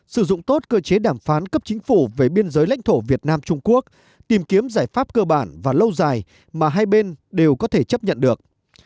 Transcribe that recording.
sử dụng tốt cơ chế đàm phán cấp chính phủ về biên giới lãnh thổ việt nam trung quốc tìm kiếm giải pháp cơ bản và lâu dài mà hai bên đều có thể chấp nhận được